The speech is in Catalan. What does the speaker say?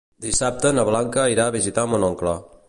Dissabte na Blanca irà a visitar mon oncle.